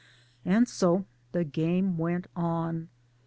And so jthe game went on.